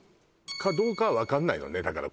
かどうかは分かんないのねだから